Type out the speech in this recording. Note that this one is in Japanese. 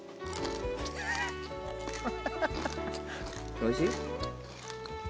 おいしい？